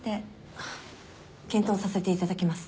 あっ検討させていただきます。